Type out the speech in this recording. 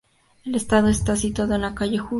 El estadio está situado en la calle ul.